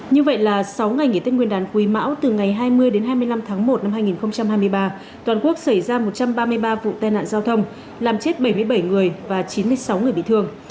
như vậy là sáu ngày nghỉ tết nguyên đán quý mão từ ngày hai mươi đến hai mươi năm tháng một năm hai nghìn hai mươi ba toàn quốc xảy ra một trăm ba mươi ba vụ tai nạn giao thông làm chết bảy mươi bảy người và chín mươi sáu người bị thương